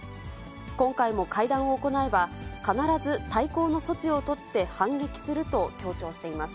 今回も会談を行えば、必ず対抗の措置を取って反撃すると強調しています。